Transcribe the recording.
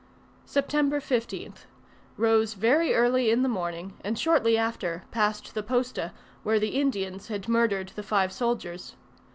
September 15th. Rose very early in the morning and shortly after passed the posta where the Indians had murdered the five soldiers.